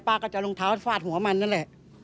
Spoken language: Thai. ก็จะรองเท้าฟาดหัวมันนั่นแหละ